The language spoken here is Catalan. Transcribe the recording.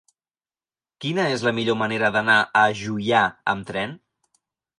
Quina és la millor manera d'anar a Juià amb tren?